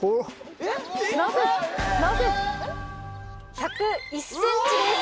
１０１ｃｍです。